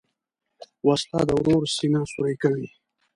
وسله د ورور سینه سوری کوي